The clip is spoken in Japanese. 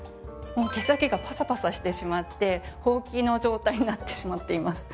毛先がパサパサしてしまってほうきの状態になってしまっています。